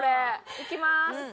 いきます！